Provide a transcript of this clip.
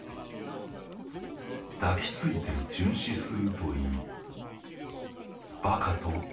「抱きついて殉死するといいバカと叱られる」。